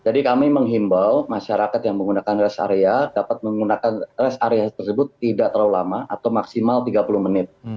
jadi kami menghimbau masyarakat yang menggunakan res area dapat menggunakan res area tersebut tidak terlalu lama atau maksimal tiga puluh menit